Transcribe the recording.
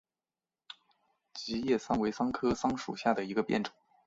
戟叶桑为桑科桑属下的一个变种。